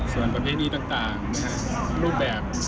ส่วนประเพณีต่างรูปแบบ